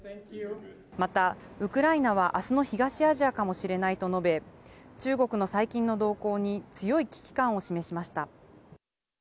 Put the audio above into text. また、ウクライナは明日の東アジアかもしれないと述べ、中国の最近の動向に強い危機感を示しました。